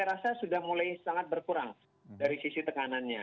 kedepan justru saya rasa sudah mulai sangat berkurang dari sisi tekanannya